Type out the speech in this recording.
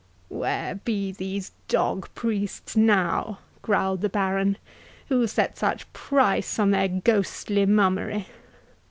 "Where be these dog priests now," growled the Baron, "who set such price on their ghostly mummery?